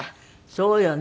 そうよね。